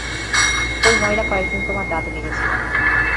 ওই ময়লা কয়েকদিন তোমার দাঁতে লেগেছিল।